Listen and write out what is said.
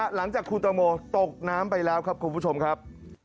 หลังจากคุณตังโมตกน้ำไปแล้วครับคุณผู้ชมครับ